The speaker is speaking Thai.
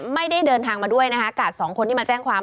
ไม่ได้เดินทางมาด้วยนะคะกาดสองคนที่มาแจ้งความ